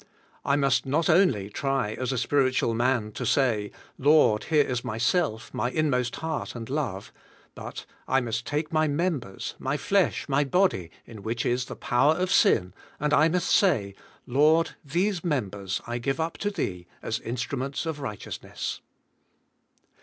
I must not only try as a spiritual man to say: Lord, here is my self, my inmost heart and love; but I must take my members, my flesh, my body, in which is the power of sin, and I must say, "Lord, these members I give up to Thee as instruments of righteousness."